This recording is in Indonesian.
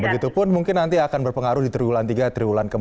begitupun mungkin nanti akan berpengaruh di triwulan tiga triwulan ke empat